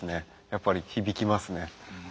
やっぱり響きますね。